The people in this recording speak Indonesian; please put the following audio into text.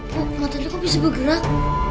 kok mata itu bisa bergerak